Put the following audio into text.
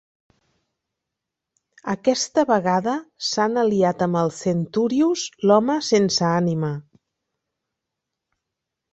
Aquesta vegada s'han aliat amb el Centurious, l'home sense ànima.